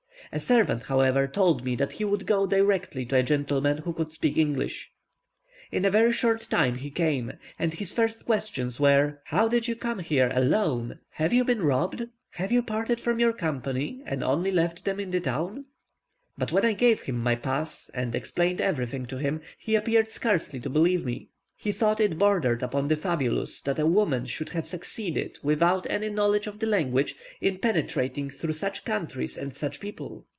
A servant, however, told me that he would go directly to a gentleman who could speak English. In a very short time he came, and his first questions were: "How did you come here, alone? Have you been robbed? Have you parted from your company and only left them in the town?" But when I gave him my pass, and explained everything to him, he appeared scarcely to believe me. He thought it bordered upon the fabulous that a woman should have succeeded, without any knowledge of the language, in penetrating through such countries and such people.